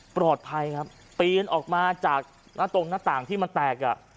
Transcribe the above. ปลอดภัยครับปีนออกมาจากหน้าตรงหน้าต่างที่มันแตกอ่ะ